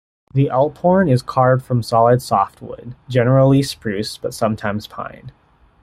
The alphorn is carved from solid softwood, generally spruce but sometimes pine.